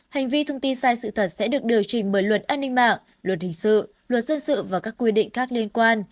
hành vi thông tin sai sự thật sẽ được điều chỉnh bởi luật an ninh mạng luật hình sự luật dân sự và các quy định khác liên quan